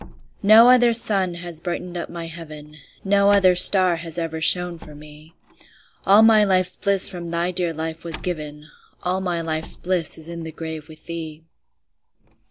No other sun has brightened up my heaven, No other star has ever shone for me; All my life's bliss from thy dear life was given, All my life's bliss is in the grave with thee.